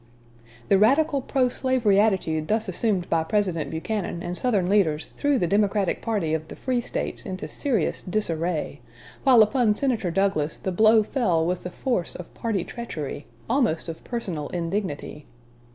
The radical pro slavery attitude thus assumed by President Buchanan and Southern leaders threw the Democratic party of the free States into serious disarray, while upon Senator Douglas the blow fell with the force of party treachery almost of personal indignity.